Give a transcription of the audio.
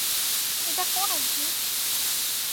এটা কোন উদ্ভিদ?